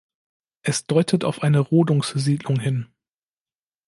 Es deutet auf eine Rodungssiedlung hin.